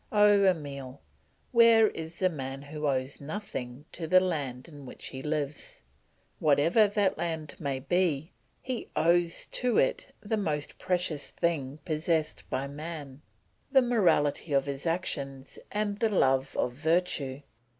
Oh, Emile, where is the man who owes nothing to the land in which he lives? Whatever that land may be, he owes to it the most precious thing possessed by man, the morality of his actions and the love of virtue.